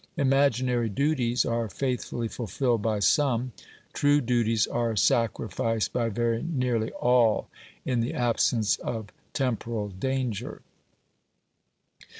Imaginary duties are faithfully fulfilled by some ; true duties are sacri ficed by very nearly all in the absence of temporal danger.